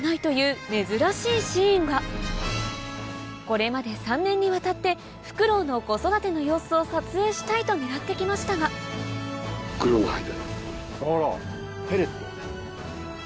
これまで３年にわたってフクロウの子育ての様子を撮影したいと狙って来ましたがあら。